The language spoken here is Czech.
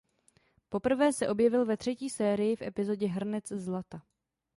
Poprvé se objevil ve třetí sérii v epizodě Hrnec zlata.